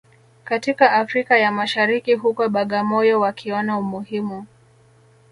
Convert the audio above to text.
katika Afrika ya Mashariki huko Bagamoyo wakiona umuhimu